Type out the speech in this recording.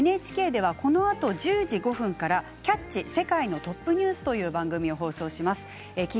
ＮＨＫでは、このあと１０時５分から「キャッチ！世界のトップニュース」をご紹介します。